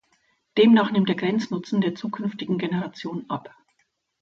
Demnach nimmt der Grenznutzen der zukünftigen Generation ab.